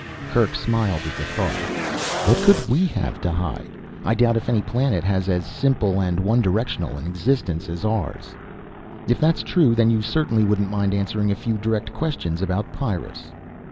Kerk smiled at the thought. "What could we have to hide? I doubt if any planet has as simple and one directional an existence as ours." "If that's true, then you certainly wouldn't mind answering a few direct questions about Pyrrus?"